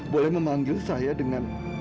boleh memanggil saya dengan